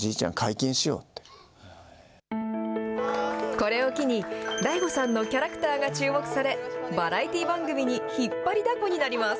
これを機に、ＤＡＩＧＯさんのキャラクターが注目され、バラエティ番組に引っ張りだこになります。